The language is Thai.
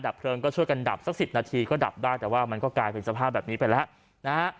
เพลิงก็ช่วยกันดับสัก๑๐นาทีก็ดับได้แต่ว่ามันก็กลายเป็นสภาพแบบนี้ไปแล้วนะฮะ